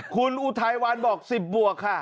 คุณอุทัยวันบอก๑๐บวกค่ะ